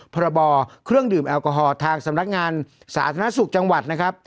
พรบเครื่องดื่มแอลกอฮอล์ทางสำนักงานสาธารณสุขจังหวัดนะครับ